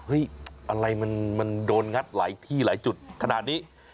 อะไรมันโดนงัดหลายที่หลายจุดขนาดนี้